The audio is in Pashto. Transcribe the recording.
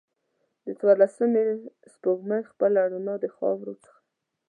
د څوارلسمې سپوږمۍ خپله روڼا د خاورو څخه